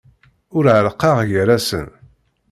Ur ɛerrqeɣ gar-asen.